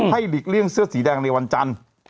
หลีกเลี่ยงเสื้อสีแดงในวันจันทร์